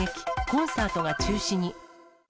コンサートが中止に。